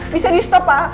bisa di stop pak